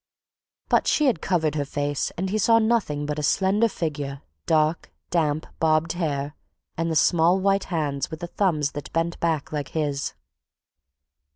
But she had covered her face and he saw nothing but a slender figure, dark, damp, bobbed hair, and the small white hands with the thumbs that bent back like his.